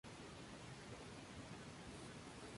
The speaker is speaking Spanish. Es a miembro del Parlamento del Mercosur.